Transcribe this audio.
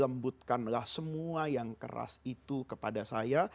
lembutkanlah semua yang keras itu kepada saya